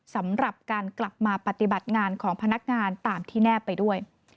สำหรับการกลับมาปฏิบัติงานของพนักงานตามที่แนบไปด้วย